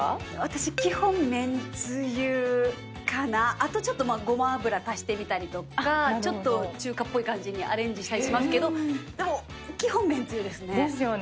あとちょっとごま油足してみたりとかちょっと中華っぽい感じにアレンジしたりしますけどでも基本めんつゆですね。